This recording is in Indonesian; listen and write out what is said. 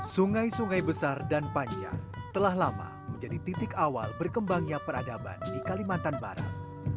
sungai sungai besar dan panjang telah lama menjadi titik awal berkembangnya peradaban di kalimantan barat